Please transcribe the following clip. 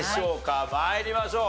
参りましょう。